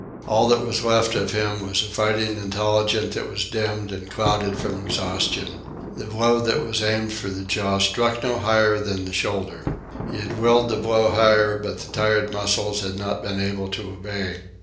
All that was left of him was a fighting intelligence that was dimmed and clouded from exhaustion. The blow that was aimed for the jaw struck no higher than the shoulder. He had willed the blow higher, but the tired muscles had not been able to obey.